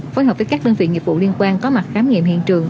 phối hợp với các đơn vị nghiệp vụ liên quan có mặt khám nghiệm hiện trường